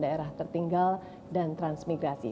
daerah tertinggal dan transmigrasi